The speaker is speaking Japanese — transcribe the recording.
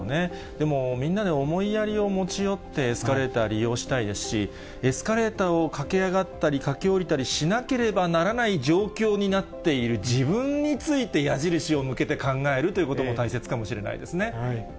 でも、みんなで思いやりを持ち寄ってエスカレーター利用したいですし、エスカレーターをかけ上がったり駆け下りたりしなければならない状況になっている自分について、矢印を向けて考えるということも大切かもしれないですね。